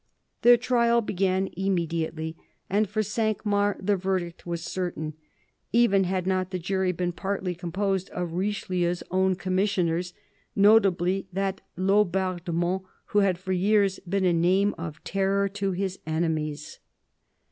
Their trial began immediately; and for Cinq Mars the verdict was certain, even had not the jury been partly composed of Richelieu's own commissioners, notably that Laubardemont who had for years been a name of terror to his enemies.